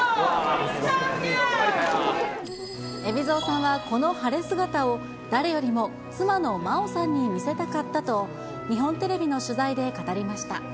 海老蔵さんはこの晴れ姿を、誰よりも妻の麻央さんに見せたかったと、日本テレビの取材で語りました。